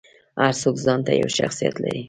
هر څوک ځانته یو شخصیت لري.